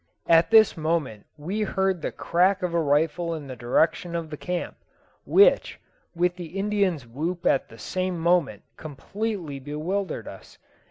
At this moment we hoard the crack of a rifle in the direction of the camp, which, with the Indian's whoop at the same moment, completely bewildered us.